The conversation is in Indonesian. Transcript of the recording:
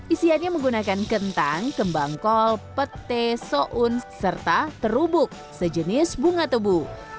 isiannya menggunakan kentang kembang kol petai soun serta terubuk sejenis bunga tebu